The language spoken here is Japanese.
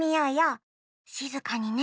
しずかにね。